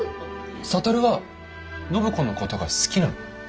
智は暢子のことが好きなの？